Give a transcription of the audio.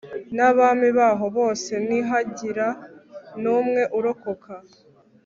n'abami baho bose. ntihagira n'umwe urokoka